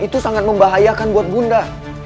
itu sangat membahayakan buat bunda